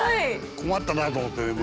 困ったなあと思ってね。